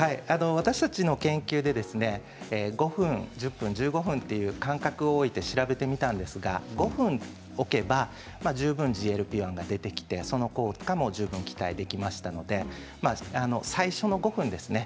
私たちの研究で５分、１０分、１５分という間隔を置いて調べてみたんですが５分置けば十分ＧＬＰ−１が出てきてその効果も十分、期待できましたので最初の５分ですね